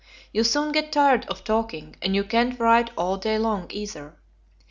You soon get tired of talking, and you can't write all day long, either.